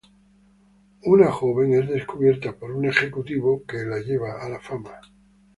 Una joven es descubierta por un ejecutivo que la lleva a la fama.